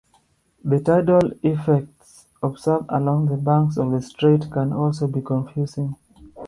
The tidal effects observed along the banks of the strait can also be confusing.